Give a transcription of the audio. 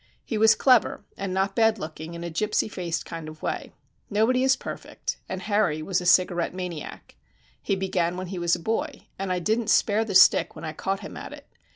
He was clever, and not bad looking in a gipsy faced kind of way. Nobody is perfect, and Harry was a cigarette maniac. He began when he was a boy, and I didn't spare the stick when I caught him at it.